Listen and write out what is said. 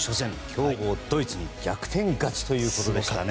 強豪ドイツに逆転勝ちということでした。